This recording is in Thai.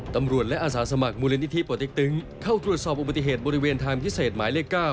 ตำรวจและอาสาสมัครมูลนิธิป่อเต็กตึงเข้าตรวจสอบอุบัติเหตุบริเวณทางพิเศษหมายเลข๙